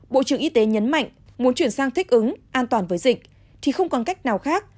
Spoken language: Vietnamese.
bộ trưởng y tế nhấn mạnh muốn chuyển sang thích ứng an toàn với dịch thì không còn cách nào khác